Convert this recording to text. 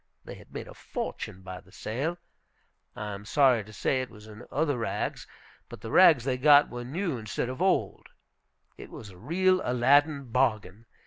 They had made a fortune by the sale, I am sorry to say it was in other rags, but the rags they got were new instead of old, it was a real Aladdin bargain.